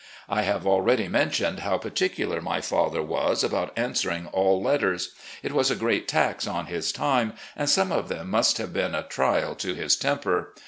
I have already mentioned how particular my father was about answering all letters. It was a great tax on his time, and some of them must have been a trial to his temper.